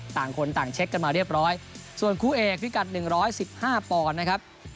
ต่างคนต่างเช็คกันมาเรียบร้อยส่วนคู่เอกพิกัด๑๑๕ปอนด์นะครับ